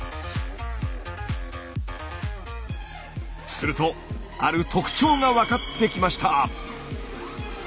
するとある特徴が分かってきました。